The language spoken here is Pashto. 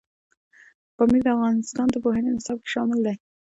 پامیر د افغانستان د پوهنې نصاب کې شامل دي.